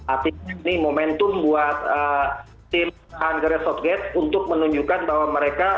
artinya ini momentum buat tim hunternya softgate untuk menunjukkan bahwa mereka